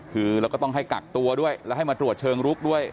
คือเราก็ต้องให้กักตัวด้วยแล้วให้มาตรวจเชิงลุกด้วย